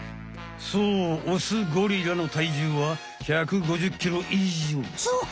そうオスゴリラの体重は１５０ｋｇいじょう。